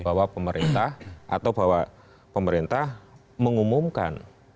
bahwa pemerintah mengumumkan